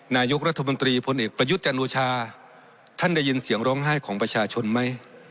นายกรัฐมนตรีพลเอกประยุทธ์จันโอชาท่านได้ยินเสียงร้องไห้ของประชาชนไหม